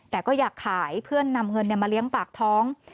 แต่ก็อยากขายเพื่อนำเงินมาเลี้ยงปากท้อง